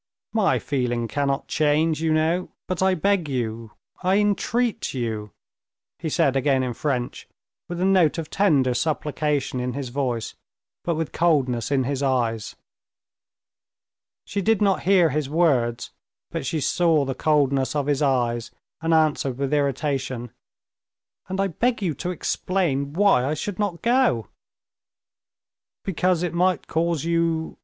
"My feeling cannot change, you know, but I beg you, I entreat you," he said again in French, with a note of tender supplication in his voice, but with coldness in his eyes. She did not hear his words, but she saw the coldness of his eyes, and answered with irritation: "And I beg you to explain why I should not go." "Because it might cause you...."